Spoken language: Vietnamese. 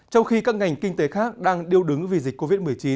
trong khi các ngành kinh tế khác đang điêu đứng vì dịch covid một mươi chín